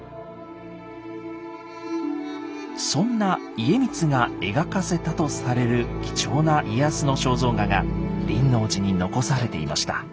そんな家光が描かせたとされる貴重な家康の肖像画が輪王寺に残されていました。